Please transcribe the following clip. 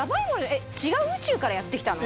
えっ違う宇宙からやって来たの？